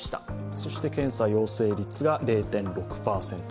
そして検査陽性率が０．６％。